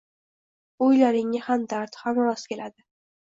O‘ylaringga hamdard, hamroz keladi